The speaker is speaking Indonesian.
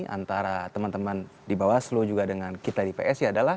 antara teman teman di bawaslu juga dengan kita di psi adalah